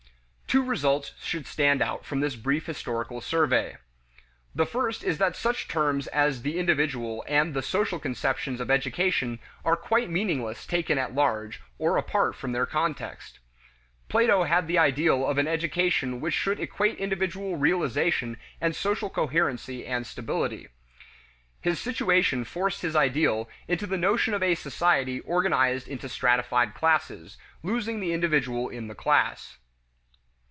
Two results should stand out from this brief historical survey. The first is that such terms as the individual and the social conceptions of education are quite meaningless taken at large, or apart from their context. Plato had the ideal of an education which should equate individual realization and social coherency and stability. His situation forced his ideal into the notion of a society organized in stratified classes, losing the individual in the class.